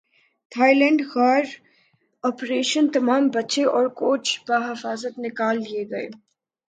Thai land غار operation تمام بچے اور کوچ بحفاظت نکال لئے گئے